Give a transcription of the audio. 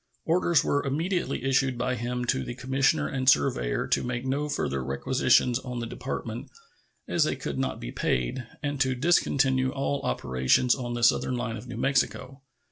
Orders were immediately issued by him to the commissioner and surveyor to make no further requisitions on the Department, as they could not be paid, and to discontinue all operations on the southern line of New Mexico.